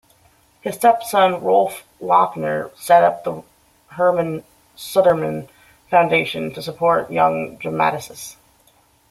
His stepson Rolf Lauckner set up the Hermann Sudermann Foundation to support young dramatists.